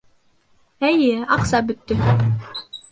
Эйе, аҡса бөттө